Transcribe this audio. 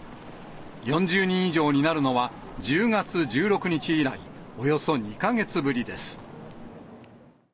４０人以上になるのは、１０月１６日以来およそ２か月ぶりです。